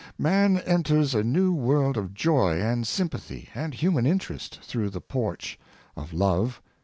Man enters a new world of joy, and sympathy, and human interest, through the porch of love.